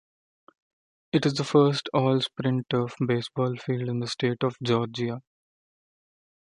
It is the first all sprint turf baseball field in the state of Georgia.